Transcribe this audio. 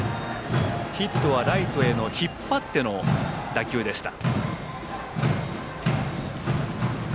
ヒットはライトへの引っ張っての打球でした。